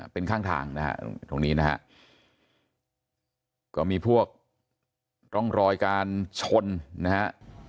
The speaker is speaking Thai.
เป็นข้างทางนะฮะตรงนี้นะฮะก็มีพวกร่องรอยการชนนะฮะ